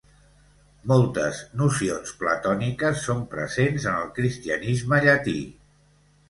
Moltes nocions platòniques són presents en el cristianisme llatí.